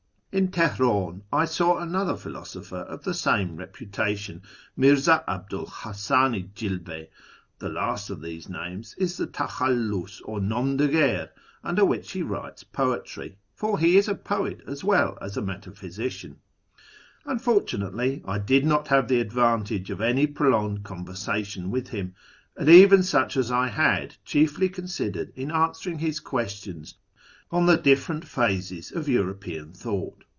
In Teher; in I saw another philosopher of some reputation, Mirza Abii '1 Hasan i Jilve. The last of these names is the takhallm or nom de guerre under which he writes poetry —« for he is a poet as well as a metaphysician. Unfortunately I I did not have the advantage of any prolonged conversation with i him, and even such as I had chiefly consisted in answering his questions on the different phases of European thought.